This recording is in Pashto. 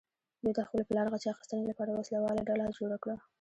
دوی د خپل پلار غچ اخیستنې لپاره وسله واله ډله جوړه کړه.